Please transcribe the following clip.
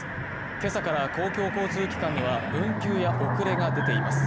今朝から公共交通機関では運休や遅れが出ています